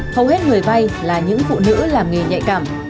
hầu hết người vay là những phụ nữ làm nghề nhạy cảm